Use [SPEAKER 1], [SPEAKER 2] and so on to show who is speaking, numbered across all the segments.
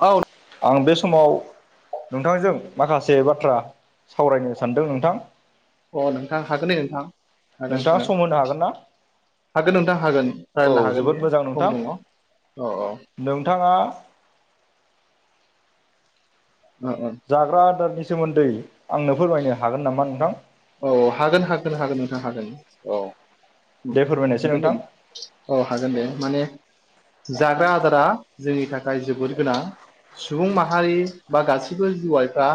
[SPEAKER 1] औ
[SPEAKER 2] आं बे समाव नोंथांजों माखासे बाथ्रा सावरायनो सानदों नोंथां
[SPEAKER 1] अ नोंथां हागोन दे नोंथां
[SPEAKER 2] नोंथाङा सम होनो हागोन ना
[SPEAKER 1] हागोन नोंथां हागोन
[SPEAKER 2] औ
[SPEAKER 1] रायज्लायनो हागोन
[SPEAKER 2] जोबोद
[SPEAKER 1] दे
[SPEAKER 2] मोजां नोंथां
[SPEAKER 1] सम दङ औ औ
[SPEAKER 2] नोंथाङा
[SPEAKER 1] उ
[SPEAKER 2] जाग्रा आदारनि सोमोन्दै आंनो फोरमायनो हागोन नामा नोंथां।
[SPEAKER 1] औ हागोन हागोन हागोन नोंथां हागोन औ
[SPEAKER 2] दे फोरमायनायसै
[SPEAKER 1] हागोन ने
[SPEAKER 2] नोंथां
[SPEAKER 1] औ हागोन दे माने जाग्रा आदारा जोंनि थाखाय जोबोद गोनां। सुबुं माहारि बा गासैबो जवाइफ्रा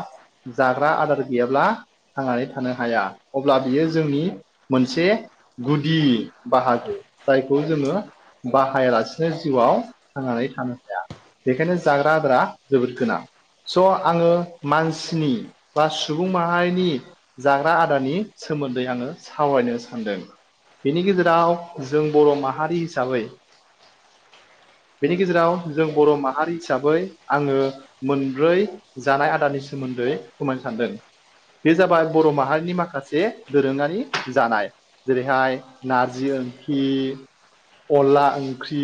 [SPEAKER 1] जाग्रा आदार गैयाब्ला आनानै थानो हाया अब्ला बियो जोंनि मोनसे गुदि बाहागो जायखौ जोङो। बाहायालासेनो जिउआव थांनानै थानो हाया। बेखायनो जाग्रा आदार जोबोद गोनां। स' आङो मानसिनि बा सुबुं माहारिनि। जाग्रा आदारनि सोमोन्दै आङो सावरायनो सानदों। बेनि गेजेराव जों बर' माहारि हिसाबै
[SPEAKER 2] [inaudible]
[SPEAKER 1] बेनि गेजेराव जों बर' माहारि हिसाबै आङो मोनब्रै जानाय आदारनि सोमोन्दै खमायनो सानदों बे जाबाय। बर' माहारिनि माखासे दोरोङारि जानाय। जेरैहाय नारजि ओंखि अनला ओंख्रि,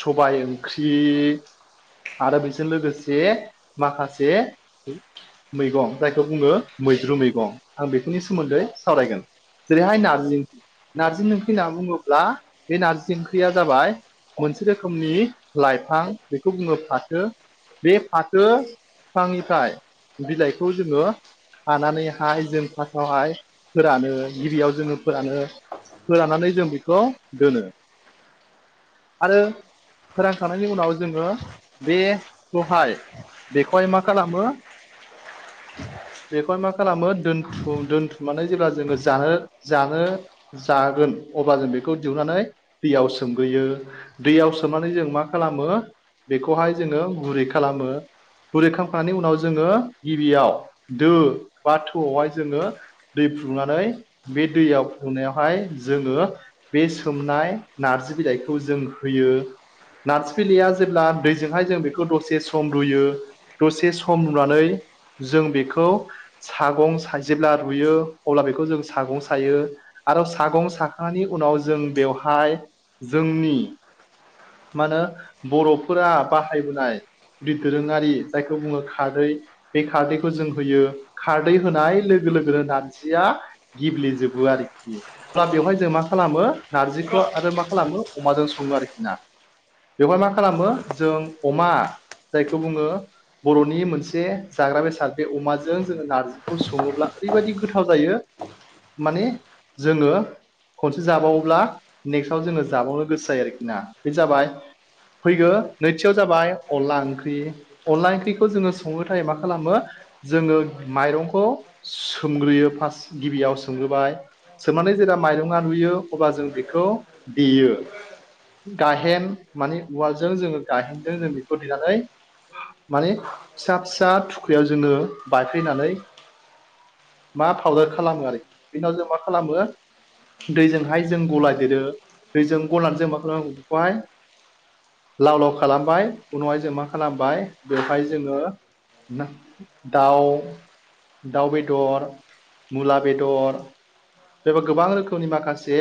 [SPEAKER 1] सबाय ओंख्रि आरो बेजों लोगोसे माखासे। मैगं जायखौ बुङो मैद्रु मैगं आं बेफोरनि सोमोन्दै सावरायगोन। जेरैहाय नारजि ओंख्रि नार्जि ओंख्रि होनना बुङोब्ला बे नारजि ओंख्रिया जाबाय। मोनसे रोखोमनि लाइफां बेखौ बुंङनो फाथो बे फाथो बिफांनिफ्राय बिलाइखौ जोङो। हानानैहाय जों फार्स्टआवहाय फोरानो गिबियाव जोङो फोरानो। फोरानानै जों बेखौ दोनो। आरो फोरोंखांनायनि उनाव जोङो। बेखौहाय बेखौहाय मा खालामो बेखौहाय मा खालामो दोनथुम दोनथुमनानै जेब्ला जोङो जानो जानो। जागोन अब्ला जों बेखौ दिहुननानै दैयाव सोमगोयो। दैयाव सोमनानै जों मा खालामो बेखौहाय जोङो गुरै खालामो। गुरैखांखांनायनि उनाव जोङो गिबियाव दो बा थौआवहाय जोङो। दै फुुंनानै बे दैयाव फुनायावहाय जोङो। बे सोमनाय नार्जि बिलाइखौ जों होयो नारजि बिलाइया। जेब्ला दैजोंहाय जों बेखौ दसे सम रुयो दसे सम रुनानै जों बेखौ सागं जेब्ला रुयो अब्ला बेखौ जों सागं सायो। आरो सागं साखांनायनि उनाव जों बेवहाय जोंनि। मा होनो बर'फोरा बाहायबोनाय गदि दोरोङारि जायखौ बुङो खारै। बे खारदैखौ जों होयो खारदै होनाय लोगो लोगोनो नारजिया। गेब्लेजोबो आरोखि अब्ला बेवहाय जों मा खालामो। नारजिखौ आरो मा खालामो अमाजों सङो आरोखि ना। बेवहाय मा खालामो जों अमा जायखौ बुङो। बर'नि मोनसे जाग्रा बेसाद बे अमाजों जोङो नारजिखौ सङोब्ला ओरैबायादि गोथाव जायो। माने जोङो। खनसे जाबावोब्ला नेक्स्टाव जोङो जाबावनो गोसो जायो आरोखि ना बे जाबाय। फैगौ नैथियाव जाबाय अनला ओंख्रि। अनला ओंख्रिखौ जोङो संनो थाखाय मा खालामो जोङो माइरंखौ सोमग्रोयो फार्स्ट गिबियाव सोमग्रोबाय। सोमनानै जेब्ला माइरङआ रुयो अब्ला जों बेखौ देयो। गाहेन माने उवालजों जोङो गायेनजों जों बेखौ देनानै माने फिसा फिसा थुख्रियाव जोङो बायफैनानै मा पाउदार खालामो आरो बिनि उनाव जों मा खालामो दैजोंहाय जों गलादेरो दैजों गलानो जों मा खालामनांगौहाय लाव लाव खालामबाय उनावहाय जों मा खालामबाय बेवहाय जोङो दाउ दाउ बेदर मुला बेदर बेबा गोबां रोखोमनि माखासे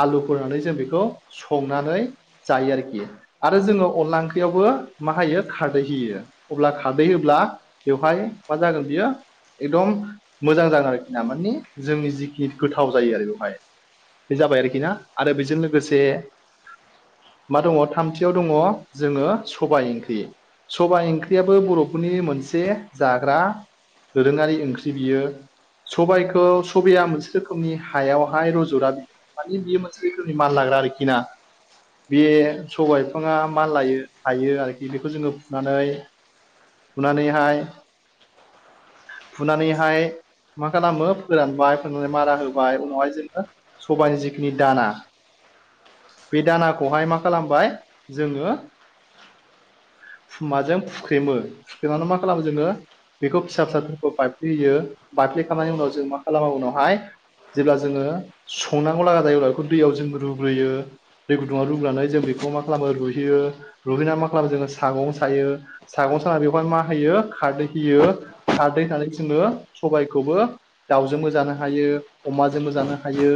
[SPEAKER 1] आलु होनानै जों बेखौ संनानै जायो आरोखि आरो जोङो अनला ओंख्रियावबो मा होयो खारदै होयो अब्ला खारदै होब्ला बेवहाय मा जागोन बियो एकदम मोजां जागोन आरोखि ना मे जोंनि जिखिनि गोथाव जायो आरो बेवहाय बे जाबाय आरोखि ना आरो बेजों लोगोसे मा दङ थामथियाव दङ जोङो सबाय ओंख्रि सबाइ ओंख्रियाबो बर'फोरनि मोनसे जाग्रा दोरोङारि ओंख्रि बियो सबाइखौ सबाइआ मोनसे रोखोमनि हायावहाय रज'ग्रा बियो माने बियो मोनसे रोखोमनि माल लाग्रा आरोखि ना बे सबाइ बिफाङा मानलायो हायो आरोखि बेखौ जोङो फुनानै फुनानैहाय फुनानैहाय मा खालामो फोरानबाय मारा होबाय उनावहाय जोङो सबायनि जिखिनि दाना बे दानाखौहाय मा खालामबाय जोङो फुमाजों फुख्रेमो फुख्रेनानै मा खालामो जोङो बेखौ फिसा फिसाफोरखौ बायफ्ले होयो बारफ्लेखांनायनि उनाव जोङो मा खालामो उनावहाय जेब्ला जोङो संनांगौ लागा जायोब्ला बेखौ दैयाव जों रुग्रोयो दै गुदुङाव रुग्रोनानै जों बेखौ मा खालामो रुयहोयो रुहोनानै मा खालामो जोङो सागं सायो सागं साना बेखौहायनो मा होयो खारदै होयो खारदै होननानै जोङो सबाइखौबो दावजोंबो जानो हायो अमाजोंबो जानो हायो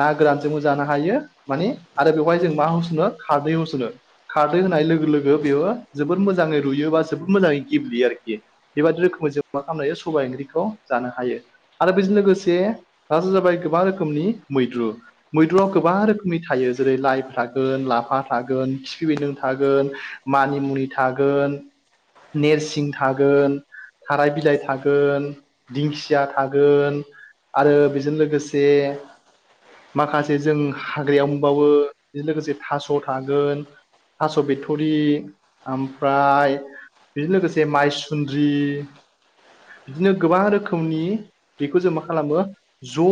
[SPEAKER 1] ना गोरानजोंबो जानो हायो मानिे आरो बेवहाय जों मा होसनो खारदै होस'नो खारदै होनाय लोगो लोगो बेयो जोबोद मोजाङै रुयो बा जोबोद मोजाङै गेब्लेयो आरोखि बेबायदि रोखोमै जों मा खालामनो हायो सबाय ओंख्रिखौ जानो हायो आरो बेजों लोगोसे जे आरो जाबाय गोबां रोखोमनि मैद्रु मैद्रुआव गोबां रोखोमनि थायो जेरै लाइ थागोन लाफा थागोन खिफि बेनदों थागोन मानिमुनि थागोन नेरसिं थागोन थाराय बिलाइ थागोन दिंखिया थागोन आरो बेजों लोगोसे माखासे जों हाग्रायाव मोनबावो बेजों लोगोसे थास' थागोन थास' बिथरि ओमफ्राय बेजों लोगोसे माइसुन्द्रि बिदिनो गोबां रोखोमनि बेखौ जों मा मा खालामो ज'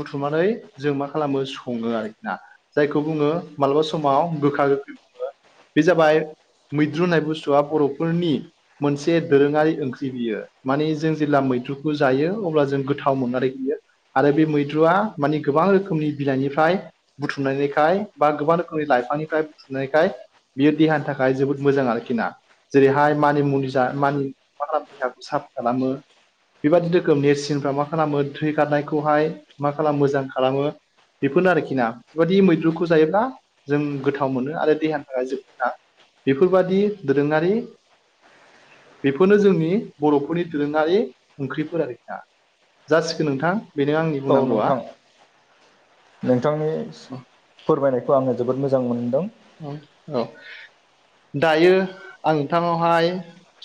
[SPEAKER 1] बुथुमनानै जों मा खालामो सङो आरोखि ना जायखौ बुङो मालाबा समाव गोखा गोखै बुङो बे जाबाय मैद्रु होननाय बुस्थुआ बर'फोरनि मोनसे दोरोङारि ओंख्रि बियो माने जों जेब्ला मैद्रुखौ जायो अब्ला जों गोथाव थाव मोननानै बियो आरो बे मैद्रुआ माने गोबां रोखोमनि बिलाइनिफ्राय बुथुमनायखाय बा गोबां रोखोमनि लाइफांनिफ्राय बुथुमनायखाय बियो देहानि थाखाय जोबोद मोजां आरोखि ना जेरैहाय मानि मुनि जा मानि मा देहाखौ साफा खालामो बेबादि रोखोम नेरसिनफ्रा मा खालामो थै खारनायखौहाय मा खालामो मोजां खालामो बेफोरनो आरोखि ना बेबायदि मैद्रुखौ जायोब्ला जों गोथाव मोनो आरो देहानि थाखाय जों मोना बेफोरबादि दोरोङारि बेफोरनो जोंनि बर'फोरनि दोरोङारि ओंख्रिफोर आरोखिना जासिगोन नोंथां
[SPEAKER 2] औ
[SPEAKER 1] बुंनांगौआ
[SPEAKER 2] नोंथां नोंथांनि फोरमायनायखौ आङो जोबोद मोजां मोनदों
[SPEAKER 1] औ दायो आं नोंथांनावहाय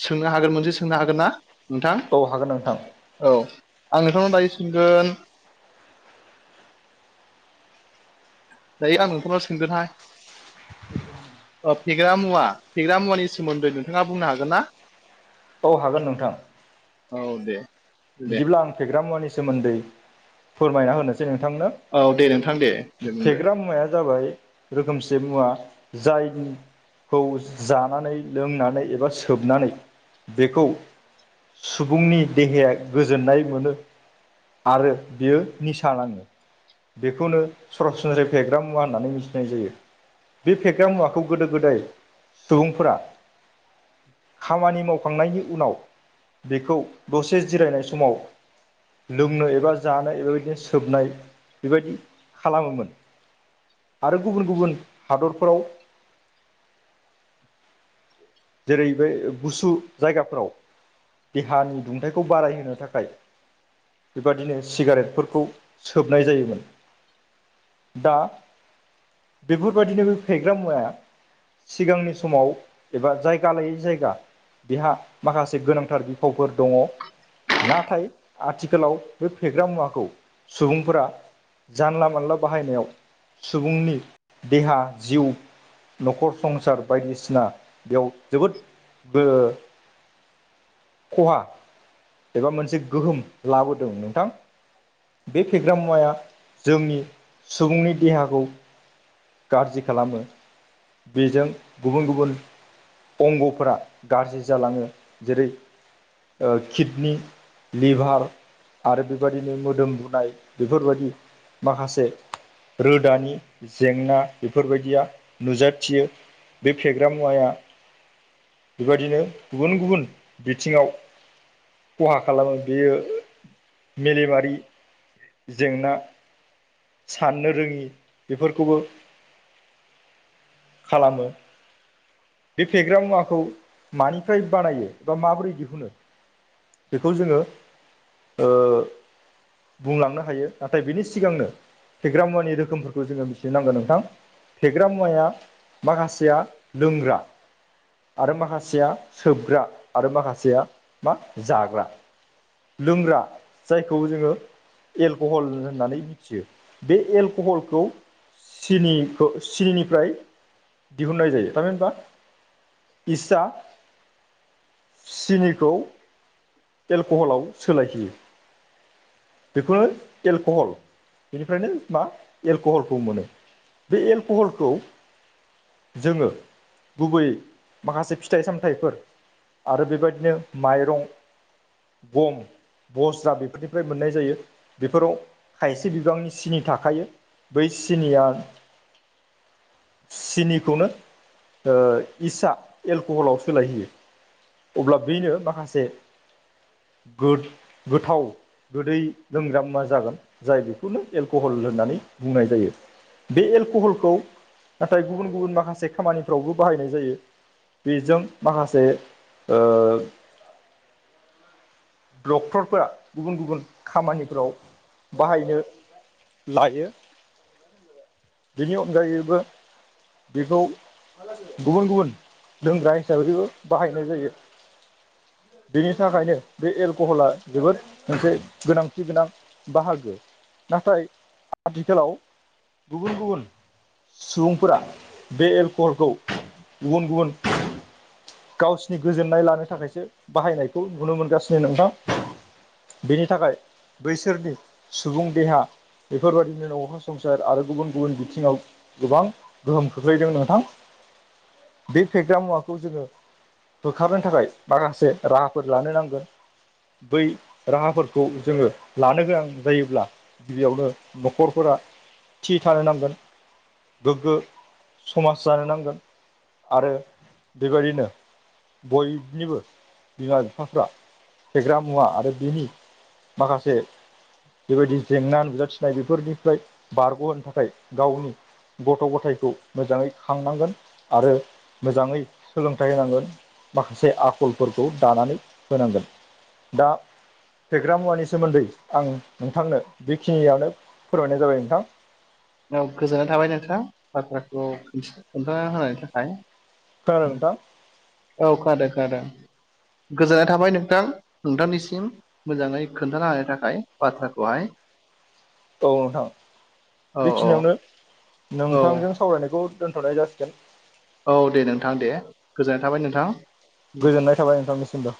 [SPEAKER 1] सोंनो हागोन मोनसे सोंनो हागोन ना नोंथां
[SPEAKER 2] औ हागोन नोंथां
[SPEAKER 1] औ आं नोंथांनाव दायो सोंगोन दायो आं नोंखौनाव सोंगोनहाय फेग्रा मुवा फेग्रा मुवानि सोमोन्दै नोंथाङा बुंनो हागोन ना
[SPEAKER 2] औ हागोन नोंथां
[SPEAKER 1] औ दे दे
[SPEAKER 2] बिदिब्ला आं फेग्रा मुवानि सोमोन्दै फोरमायना होनोसै नोंथांनो
[SPEAKER 1] औ दे नोंथां दे दे बुंदो
[SPEAKER 2] फेग्रा मुवाया जाबाय रोखोमसे मुवा जायनि खौ जानानै लोंनानै एबा सोबनानै बेखौ सुबुंनि देहाया गोजोननाय मोनो आरो बियो निसा नाङो बेखौनो सरासनस्राय फेग्रा मुवा होननानै मिथिनाय जायो बे फेग्रा मुवाखौ गोदो गोदाय सुबुंफोरा खामानि मावखांनायनि उनाव बेखौ दसे जिरायनाय समाव लोंनो एबा जानाय बेबायदिनो सोबनाय बेबायदि खालामोमोन आरो गुबुन गुबुन हादरफोराव जेरै बे गुसु जायगाफ्राव देहानि दुंथायाइखौ बारायहोनो थाखाय बेबादिनो सिगारेटफोरखौ सोबनाय जायोमोन दा बेफोरबायदिनो फेग्रा मुवाया सिगांनि समाव एबा जायगा लायै जायगा बेहा माखासे गोनांथार बिफावफोर दङ नाथाय आथिखालाव बे फेग्रा मुवाखौ सुबुंफोरा जानला मोनानला बाहायनायाव सुबुंनि देहा जिउ न'खर संसार बायदिसिना बेयाव जोबोद खहा एबा मोनसे गोहोम लाबोदों नोंथां बे फेग्रा मुवाया जोंनि सुबुंनि देहाखौ गाज्रि खालामो बेजों गुबुन गुबुन अंग'फोरा गाज्रि जालाङो जेरै किडनि लिभार आरो बेबायदिनो मोदोम बुनाय बेफोरबायदि माखासे रोदानि जेंना बेफोरबायदिया नुजाथियो बे फेग्रा मुवाया बेबायदिनो गुबुन गुबुन बिथिङाव खहा खालामो बेयो मेलेमारि जेंना साननो रोङि बेफोरखौबो खालामो बे फेग्रा मुवाखौ मानिफ्राय बानायो बा माबोरै दिहुनो बेखौ जोङो बुंलांनो हायो नाथाय बिनि सिगांनो फेग्रा मुवानि रोखोमफोरखौ जोङो मिथि नांगोन नोंथां फेग्रा मुवाया माखासेया लोंग्रा आरो माखासेया सोबग्रा आरो माखासेया मा जाग्रा लोंग्रा जायखौ जोङो एलक'हल होननानै मिथियो बे एलक'हलखौ सिनिखौ सिनिनिफ्राय दिहुननाय जायो थारमि होनबा इसा सिनिखौ एलक'हलाव सोलायहियो बेखौनो एलक'हल बेनिफ्रायनो मा एलक'हलखौ मोनो बे एलक'हलखौ जोङो गुबैयै माखासे फिथाइ सामथाइफोर आरो बेबायदिनो माइरं गम बस्रा बेफोरनिफ्राय मोननाय जायो बेफोराव खायसे बिबांनि सिनि थाखायो बै सिनिया सिनिखौनो इसा एलक'हलाव सोलायहयो अब्ला बेनो माखासे गोथाव गोदै लोंग्रा मा जागोन जाय बेखौनो एलक'हल होननानै बुंनाय जायो बे एलक'हलखौ नाथाय गुबुन गुबुन माखासे खामानिफ्रावबो बाहायनाय जायो बेजों माखासे डक्टरफोरा गुबुन गुबुन खामानिफोराव बाहायनो लायो बेनि अनगायैबो बेखौ गुबुन गुबुन लोंग्रा हिसाबैबो बाहायनाय जायो बेनि थाखायनो बे एलक'हला जोबोद मोनसे गोनांथि गोनां बाहागो नाथाय आथिखालाव गुबुन गुबुन सुबुंफोरा बे एलकरखौ गुबुन गुबुन गावसिनि गोजोननाय लानो थाखायसो बाहायनायखौ नुनो मोनगासिनो नोंथां बेनि थाखाय बैसोरनि सुबुं देहा बेफोरबादिनो न'खर संसार आरो गुबुन गुबुन बिथिङाव गोबां गोहोम खोख्लैदों नोंथां बे फेग्रा मुवाखौ जोङो होोखारनो थाखाय माखासे राहाफोर लानो नांगोन बै राहाफोरखौ जोङो लानो गोनां जायोब्ला गिबियावनो न'खरफोरा थि थानो नांगोन गोग्गो समाज जानो नांगोन आरो बेबायदिनो बयनिबो बिमा बिफाफ्रा फेग्रा मुवा आरो बिनि माखासे बेबायदि जेंना नुजाथिनाय बेफोरनिफ्राय बारग'होनो थाखाय गावनि गथ' गथायखौ मोजाङै खांनांगोन आरो मोजाङै फोथाय होनांगोन माखासे आखलफोरखौ दानानै होनांगोन दा फेग्रा मुवानि सोमोन्दै आं नोंथांनो बेखिनियावनो फोरमायनाय जाबाय नोंथां
[SPEAKER 1] औ गोजोननाय थाबाय नोंथाङ बाथ्राखौ खोन्था होनायनि थाखाय
[SPEAKER 2] खोनादों नोंथां
[SPEAKER 1] औ खादों खादों गोजोननाय थाबाय नोंथां नोंथांनिसिम मोजाङै खोन्थाना होनानो थाखाय बाथ्राखौहाय
[SPEAKER 2] औ नोंथां
[SPEAKER 1] औ औ
[SPEAKER 2] बेखिनियावनो
[SPEAKER 1] औ
[SPEAKER 2] नोंथांजों सावरायनायखौ दोनथ'नाय जासिगोन
[SPEAKER 1] औ दे नोंथां दे गोजोननाय थाबाय नोंथां
[SPEAKER 2] गोजोननाय थाबाय नोंथांनिसिमबो